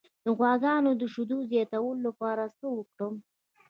د غواګانو د شیدو زیاتولو لپاره څه وکړم؟